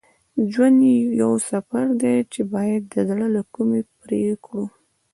ژوند یو سفر دی چې باید د زړه له کومي پرې کړو.